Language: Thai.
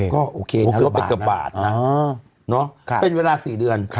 ก็โอเคนะลดไปเกือบบาทนะเป็นเวลา๔เดือน